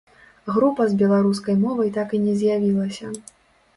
Група з беларускай мовай так і не з'явілася.